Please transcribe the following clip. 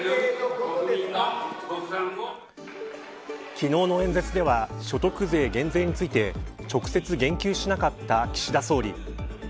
昨日の演説では所得税減税について直接言及しなかった岸田総理。